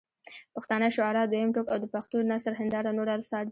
پښتانه شعراء دویم ټوک او د پښټو نثر هنداره نور اثار دي.